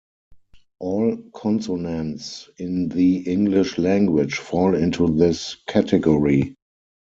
All consonants in the English language fall into this category.